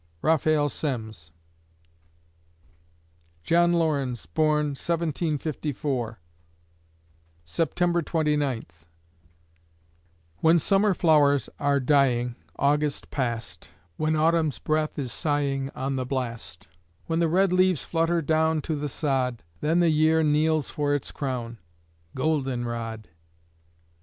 RAPHAEL SEMMES John Laurens born, 1754 September Twenty Ninth When summer flowers are dying, August past, When Autumn's breath is sighing On the blast; When the red leaves flutter down To the sod, Then the year kneels for its crown Goldenrod!